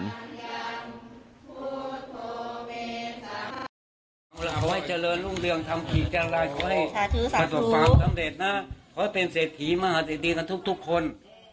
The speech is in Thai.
มากขอให้เจริญลุงเบียงทำขีดจากลายให้ภาพภาพสำเร็จนะเพื่อเป็นเศรษฐีมหาสัยดีกับทุกคน